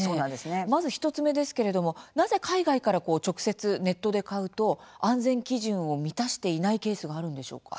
まず１つ目ですけれどもなぜ海外から直接ネットで買うと安全基準を満たしていないケースがあるんでしょうか？